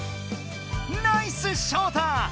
ナイスショウタ！